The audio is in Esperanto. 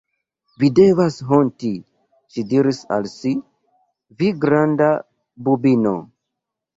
“Vi devas honti,” ŝi diris al si, “vi granda bubino!”